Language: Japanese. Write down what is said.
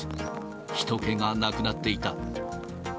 ひと気がなくなっていた。